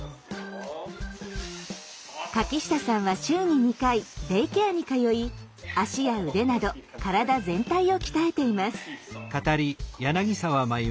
柿下さんは週に２回デイケアに通い足や腕など体全体を鍛えています。